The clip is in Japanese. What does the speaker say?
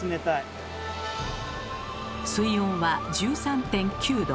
水温は１３．９℃。